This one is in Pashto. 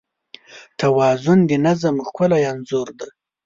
توازن د نظم ښکلی انځور دی.